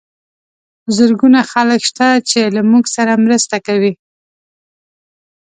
زرګونه خلک شته چې له موږ سره مرسته کوي.